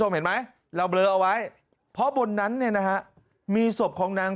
เห็นไหมเราเบลอเอาไว้เพราะบนนั้นเนี่ยนะฮะมีศพของนาง